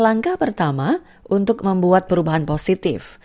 langkah pertama untuk membuat perubahan positif